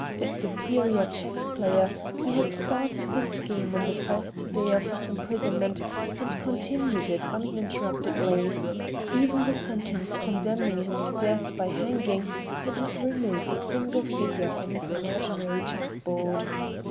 A superior chess player, he had started this game on the first day of his imprisonment and continued it uninterruptedly. Even the sentence condemning him to death by hanging did not remove a single figure from his imaginary chessboard.